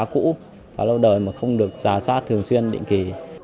quá lâu đời mà không được giả soát thường xuyên định kỳ